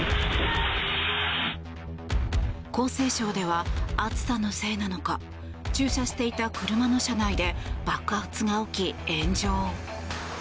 江西省では暑さのせいなのか駐車していた車の車内で爆発が起き、炎上。